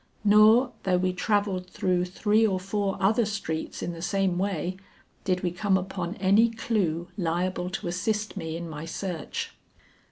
Nor, though we travelled through three or four other streets in the same way, did we come upon any clew liable to assist me in my search.